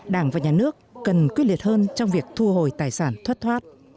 đảng và nhà nước cần quyết liệt hơn trong việc thu hồi tài sản thất thoát